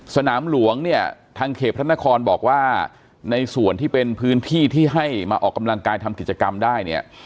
สนามหลวงเนี่ยทางเขตพระนครบอกว่าในส่วนที่เป็นพื้นที่ที่ให้มาออกกำลังกายทำกิจกรรมได้เนี่ย